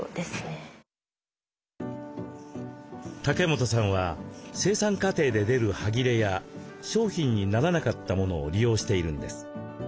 竹本さんは生産過程で出るはぎれや商品にならなかったものを利用しているんです。